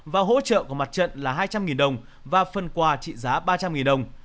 và hỗ trợ của mặt trận là hai trăm linh đồng và phần quà trị giá ba trăm linh đồng